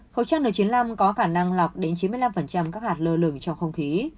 khẩu trang n chín mươi năm có khả năng lọc đến chín mươi năm các hạt lơ lửng trong không khí